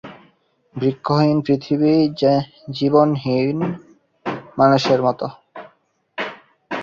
বৃক্ষহীন পৃথিবী জীবনবিহীন মানুষের মতো।